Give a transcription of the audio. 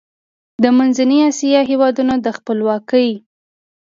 د منځنۍ اسیا هېوادونو د خپلواکۍ